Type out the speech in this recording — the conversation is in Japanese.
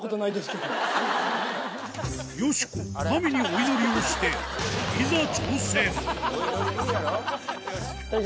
よしこ神にお祈りをして怖いよこれ。